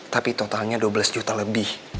tapi totalnya dua belas juta lebih